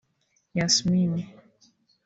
Yasmin